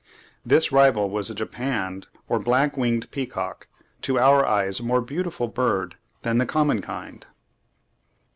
This rival was a japanned or black winged peacock, to our eyes a more beautiful bird than the common kind.